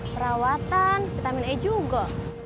perawatan vitamin e juga